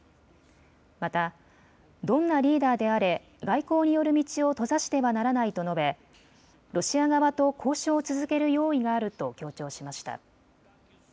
また、どんなリーダーであれ外交による道を閉ざしてはならないと述べロシア側と交渉を続ける用意があると強調しました。